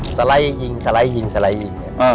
สไลด์ยิงสไลด์ยิงสไลด์ยิง